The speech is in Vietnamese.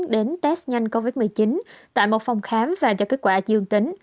đến test nhanh covid một mươi chín tại một phòng khám và cho kết quả dương tính